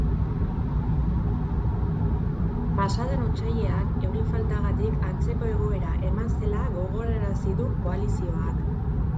Pasadan otsailean euri faltagatik antzeko egoera eman zela gogorarazi du koalizioak.